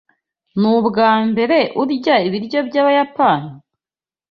Nubwambere urya ibiryo byabayapani?